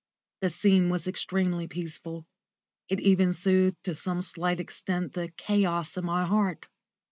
The scene was extremely peaceful; it even soothed to some slight extent the chaos in my heart.